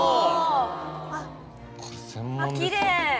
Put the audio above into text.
あっきれい。